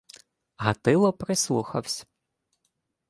Гатило прислухавсь.